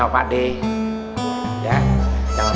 pande nyanyang ya